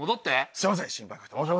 すいません心配かけて。